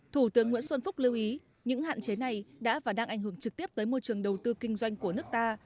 thủ tướng nguyễn xuân phúc lưu ý những hạn chế này đã và đang ảnh hưởng trực tiếp tới môi trường đầu tư kinh doanh của nước ta